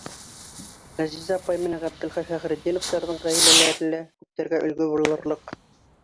Ғәзизә апай менән Ғәбделхай Фәхретдиновтарҙың ғаиләләре лә күптәргә өлгө булырлыҡ.